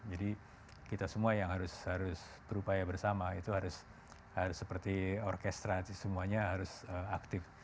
jadi kita semua yang harus berupaya bersama itu harus seperti orkestra semuanya harus aktif